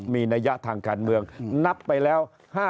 มีนัยยะทางการเมืองนับไปแล้ว